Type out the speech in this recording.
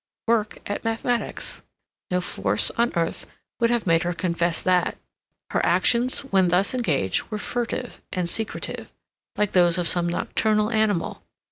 work at mathematics. No force on earth would have made her confess that. Her actions when thus engaged were furtive and secretive, like those of some nocturnal animal.